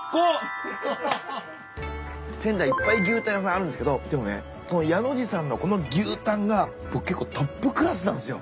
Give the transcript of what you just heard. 仙台いっぱい牛タン屋さんあるんですけどでもねやの字さんのこの牛タンが僕結構トップクラスなんすよ。